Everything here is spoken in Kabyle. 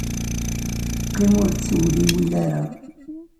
Qqim ur ttewliwil ara.